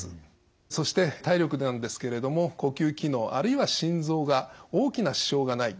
そして体力なんですけれども呼吸機能あるいは心臓が大きな支障がない。